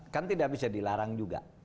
kan tidak bisa dilarang juga